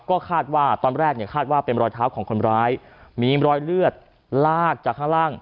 ก็คาดว่าตอนแรกเนี่ยคาดว่าเป็นรอยเท้าของคนร้ายมีรอยเลือดลากจากข้างล่าง